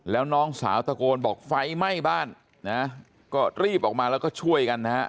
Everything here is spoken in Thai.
แล้วน้องสาวตะโกนบอกไฟไหม้บ้านนะก็รีบออกมาแล้วก็ช่วยกันนะฮะ